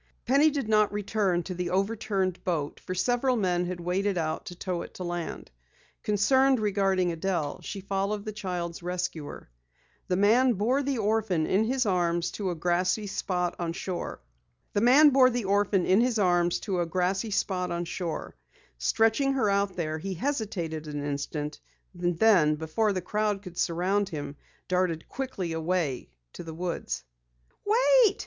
Penny did not return to the overturned boat for several men had waded out to tow it to land. Concerned regarding Adelle, she followed the child's rescuer. The man bore the orphan in his arms to a grassy spot on shore. Stretching her out there, he hesitated an instant, and then before the crowd could surround him, darted quickly away toward the woods. "Wait!"